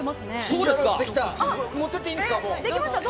もう持って行っていいんですか。